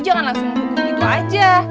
jangan langsung gitu aja